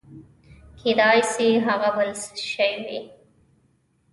کېداى سي هغه بل شى وي.